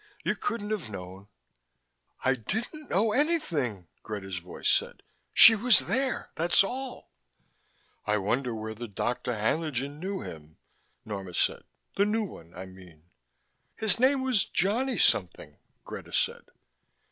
You couldn't have known " "I didn't know anything," Greta's voice said. "She was there, that's all." "I wonder whether Dr. Haenlingen knew him," Norma said. "The new one, I mean." "His name was Johnny something," Greta said.